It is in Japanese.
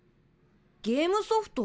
ゲームソフト？